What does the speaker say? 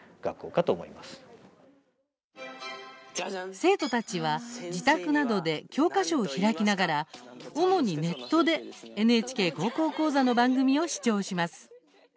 生徒たちは自宅などで教科書を開きながら主にネットで「ＮＨＫ高校講座」の番組を視聴します。